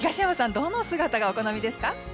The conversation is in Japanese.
どの姿がお好みですか？